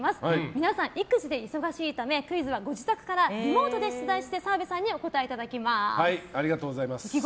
皆さん、育児で忙しいためクイズはご自宅からリモートで出題してありがとうございます。